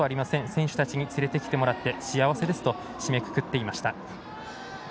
選手たちに連れてきてもらって幸せですと締めくくっていました。